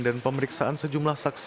dan pemeriksaan sejumlah saksi